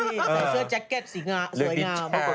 ใส่เสื้อแจ๊กแก๊กสีง้าสวยงาม